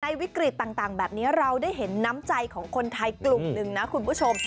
วิกฤตต่างแบบนี้เราได้เห็นน้ำใจของคนไทยกลุ่มหนึ่งนะคุณผู้ชม